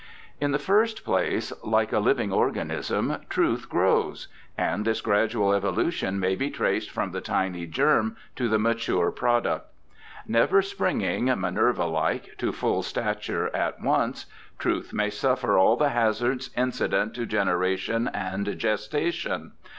In the first place, like a living organism. Truth grows, and its gradual evolution may be traced from the tiny germ to the mature product. Never springing. Minerva like, to full stature at once, Truth may suffer all the hazards incident to generation and gestation.